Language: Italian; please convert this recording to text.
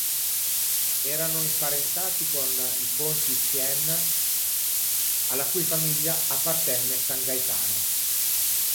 Erano imparentati con i conti Thiene, alla cui famiglia appartenne san Gaetano.